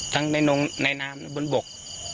ทั้งในน้ำบนบก